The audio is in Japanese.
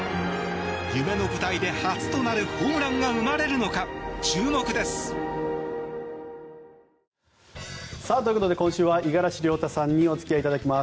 夢の舞台で初となるホームランが生まれるのか、注目です。ということで今週は五十嵐亮太さんにお付き合いいただきます。